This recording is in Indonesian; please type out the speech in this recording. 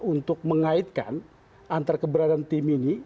untuk mengaitkan antara keberadaan tim ini